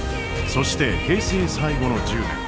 そして平成最後の１０年。